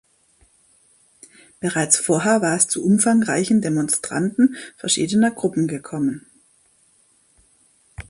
Bereits vorher war es zu umfangreichen Demonstranten verschiedener Gruppen gekommen.